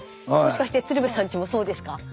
もしかして鶴瓶さんちもそうですか？